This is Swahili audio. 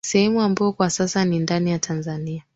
sehemu ambayo kwa sasa ni ndani ya Tanzania